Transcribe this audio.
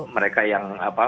mereka yang apa